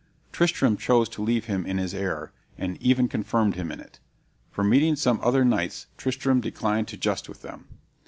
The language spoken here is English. Tristram chose to leave him in his error, and even confirmed him in it; for meeting some other knights Tristram declined to just with them.